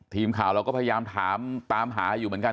ทีมข่าวเราก็พยายามถามตามหาอยู่เหมือนกัน